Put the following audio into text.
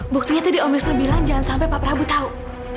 buktinya tadi om wisnu bilang jangan sampai pak prabowo tahu